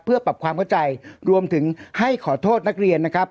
เพื่อปรับความเข้าใจรวมถึงให้ขอโทษนักเรียนนะครับ